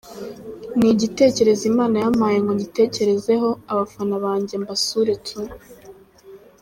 Ni igitekerezo Imana yampaye ngo ngitekerezeho, abafana banjye mbasure tu.